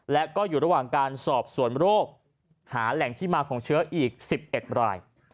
และก็อยู่ระหว่างการสอบสวนโรคหาแหล่งที่มาของเชื้ออีก๑๑ราย